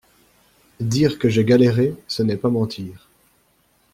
Dire que j’ai galéré, ce n’est pas mentir.